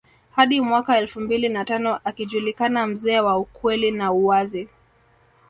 Hadi mwaka elfu mbili na tano akijulikana mzee wa ukweli na uwazi